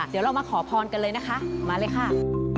เดี๋ยวเรามาขอพรกันเลยนะคะมาเลยค่ะ